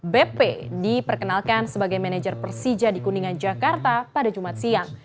bp diperkenalkan sebagai manajer persija di kuningan jakarta pada jumat siang